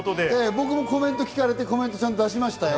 僕もコメント聞かれて、ちゃんとコメントを出しましたよ。